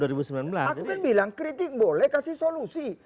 aku kan bilang kritik boleh kasih solusi